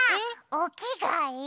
おきがえ